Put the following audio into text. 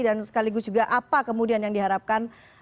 dan sekaligus juga apa kemudian yang diharapkan